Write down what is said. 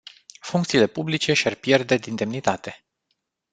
Funcțiile publice și-ar pierde din demnitate.